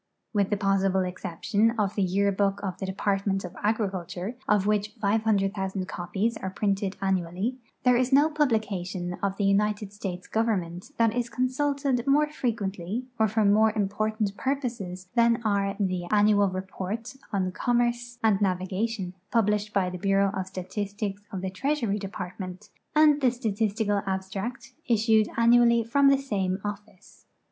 With the possible exception of the Yearbook of the Department of Agriculture, of which 500,000 copies are printed annually, there is no publication of the United States Government that is consulted more fre quently or for more important purposes than are the Annual Report on Commerce and Navigation, published by the Bureau of Statistics of the Treasury Department, and the Statistical Abstract, issued annually from the same office.